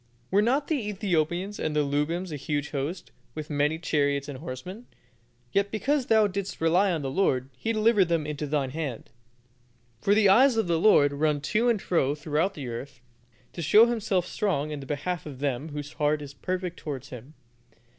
"Were not the Ethiopians and the Lubims a huge host, with very many chariots and horsemen? yet because thou didst rely on the Lord He delivered them into thine hand. "For the eyes of the Lord run to and fro throughout the earth, to show Himself strong in the behalf of them whose heart is perfect towards Him.